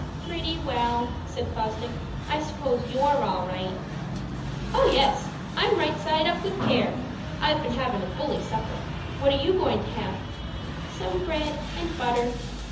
"Pretty well," said Fosdick. "I suppose you're all right." "Oh, yes, I'm right side up with care. I've been havin' a bully supper. What are you goin' to have?" "Some bread and butter."